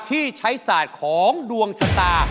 ที่ใช้ศาสตร์ของดวงชะตา